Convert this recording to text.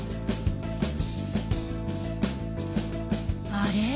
あれ？